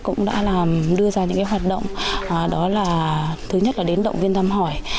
chúng tôi ngay lập tức cũng đã đưa ra những hoạt động đó là thứ nhất là đến động viên tâm hỏi